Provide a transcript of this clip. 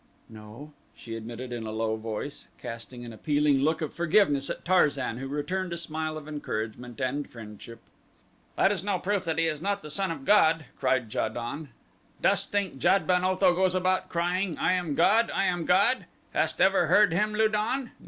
"No," she admitted in a low voice, casting an appealing look of forgiveness at Tarzan who returned a smile of encouragement and friendship. "That is no proof that he is not the son of god," cried Ja don. "Dost think Jad ben Otho goes about crying 'I am god! I am god!' Hast ever heard him Lu don?